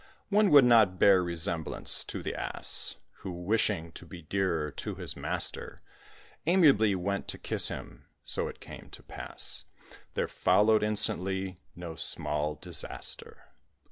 One would not bear resemblance to the Ass, Who wishing to be dearer to his master, Amiably went to kiss him; so it came to pass There followed instantly no small disaster.